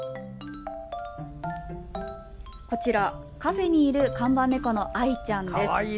こちらカフェにいる看板猫のアイちゃんです。